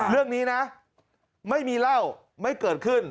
เรื่องนี้นะไม่มีเล่าไม่เกิดขึ้น